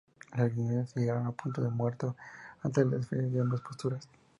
Las reuniones llegaron a un punto muerto ante las diferencias de ambas posturas.